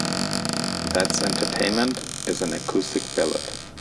"That's Entertainment" is an acoustic ballad.